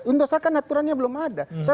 indosat kan aturannya belum ada